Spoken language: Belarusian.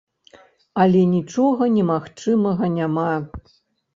Але нічога немагчымага няма.